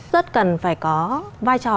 rất cần phải có vai trò